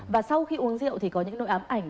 và sau khi uống rượu thì có những nỗi ám ảnh